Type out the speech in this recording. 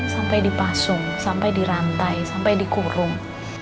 sampai dipasung sampai dirantai sampai dikurung